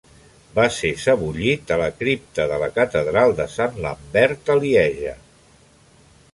Va ser sebollit a la cripta de la catedral de Sant Lambert a Lieja.